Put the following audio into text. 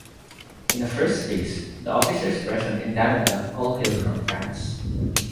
In a first phase, the officers present in Canada, all hailed from France.